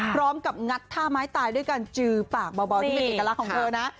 พร้อมกับงัดท่าไม้ตายด้วยกันจือปากเบาที่เป็นกลิ่นตลักของเธอนะ